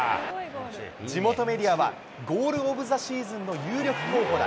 地元メディアは、ゴール・オブ・ザ・シーズンの有力候補だ。